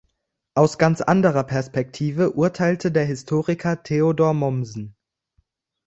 Aus ganz anderer Perspektive urteilte der Historiker Theodor Mommsen.